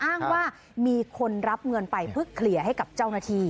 อ้างว่ามีคนรับเงินไปเพื่อเคลียร์ให้กับเจ้าหน้าที่